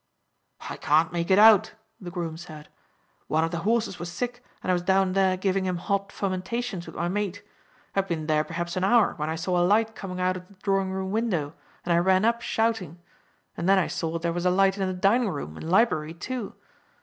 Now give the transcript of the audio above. "I can't make it out," the groom said. "One of the horses was sick, and I was down there giving him hot fomentations with my mate. I had been there perhaps an hour when I saw a light coming out of the drawing room window, and I ran up shouting; and then I saw there was a light in the dining room and library too.